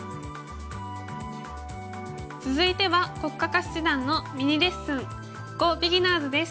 続いては黒嘉嘉七段のミニレッスン「ＧＯビギナーズ」です。